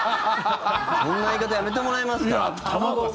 そんな言い方やめてもらえますか？